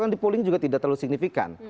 kan di polling juga tidak terlalu signifikan